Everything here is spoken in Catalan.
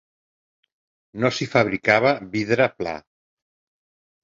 No s'hi fabricava vidre pla.